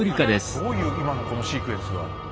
どういう今のこのシークエンスは。